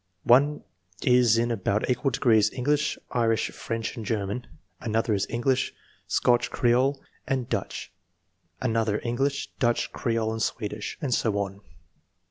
One is in about equal degrees English, Irish, French, and German ; another is English, Scotch Creole, and Dutch ; another English, Dutch, Creole, and Swedish ; and so on.